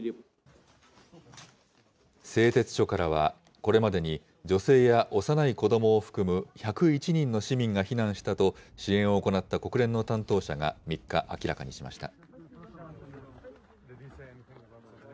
製鉄所からは、これまでに女性や幼い子どもを含む１０１人の市民が避難したと、支援を行った国連の担当者が３日、明らかにしました。